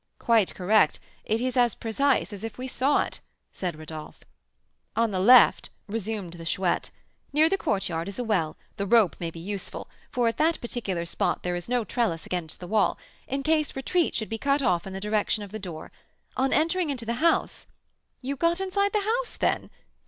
"Quite correct; it is as precise as if we saw it," said Rodolph. "On the left," resumed the Chouette, "near the courtyard, is a well; the rope may be useful (for at that particular spot there is no trellis against the wall), in case retreat should be cut off in the direction of the door. On entering into the house " "You got inside the house, then?